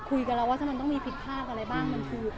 คุยกันแล้วว่าถ้ามันต้องมีผิดพากษ์อะไรบ้าง